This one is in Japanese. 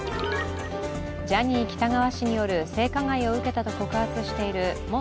ジャニー喜多川氏による性加害を受けたと告発している元